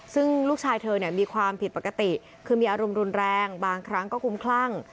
ซึ่งลูกชายเธอเนี่ยมีความผิดปกติคือมีอารมณ์รุนแรงบางครั้งก็คุ้มคลั่ง